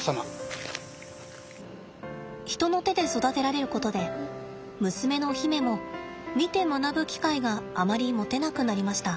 人の手で育てられることで娘の媛も見て学ぶ機会があまり持てなくなりました。